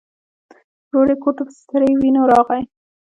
ورور یې کور ته په سرې وینو راغی.